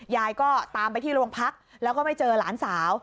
ยายก็ตามไปที่โรงพักแล้วก็ไม่เจอหลานสาว